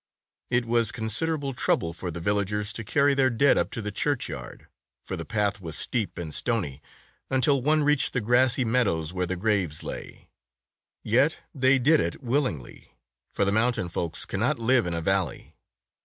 It was considerable trouble for the vil lagers to carry their dead up to the church yard, for the path was steep and stony, until one reached the grassy meadows where the graves lay. Yet they did it willingly, for the mountain folks cannot live in a valley.